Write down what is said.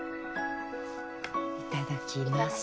いただきます。